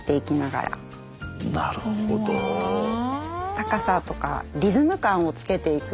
高さとかリズム感をつけていく。